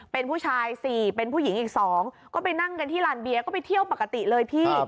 เป็นผู้ชาย๔เป็นผู้หญิงอีก๒ก็ไปนั่งกันที่ลานเบียร์ก็ไปเที่ยวปกติเลยพี่